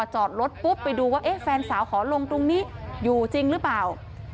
จอดรถปุ๊บไปดูว่าเอ๊ะแฟนสาวขอลงตรงนี้อยู่จริงหรือเปล่า